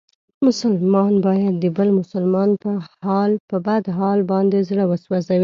مسلمان باید د بل مسلمان په بد حال باندې زړه و سوځوي.